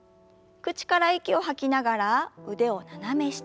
口から息を吐きながら腕を斜め下。